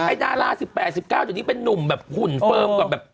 ดารา๑๘๑๙ตัวนี้เป็นนุ่มแบบหุ่นเฟิร์มกับแบบ